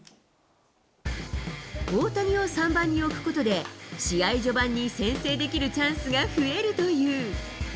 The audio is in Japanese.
大谷を３番に置くことで、試合序盤に先制できるチャンスが増えるという。